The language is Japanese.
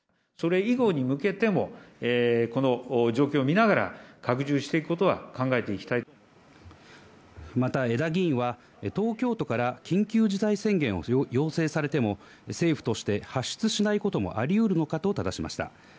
それ以後に向けても、この状況を見ながら、拡充していくことは考また江田議員は、東京都から緊急事態宣言を要請されても、政府として発出しないこともありうるのかとただしました。